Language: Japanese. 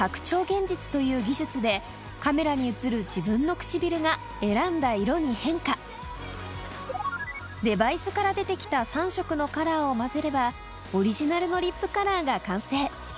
現実という技術でカメラに写る自分の唇が選んだ色に変化デバイスから出て来た３色のカラーを混ぜればオリジナルのリップカラーが完成！